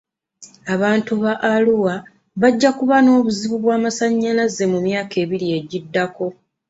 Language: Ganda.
Abantu ba Arua bajja kuba n'obuzibu bw'amasanyalaze mu myaka ebiri egiddako.